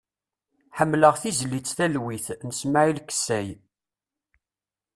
Ḥemmleɣ tizlit "Talwit" n Smail Kessay.